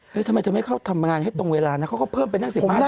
เฮ้ยทำไมเธอไม่เข้าทำงานให้ตรงเวลานะเขาก็เพิ่มไปนั่งสิบห้าสิบหัว